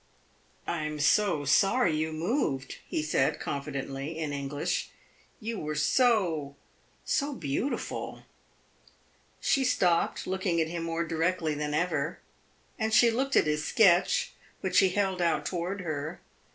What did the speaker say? "I am so sorry you moved," he said, confidently, in English. "You were so so beautiful." She stopped, looking at him more directly than ever; and she looked at his sketch, which he held out toward her.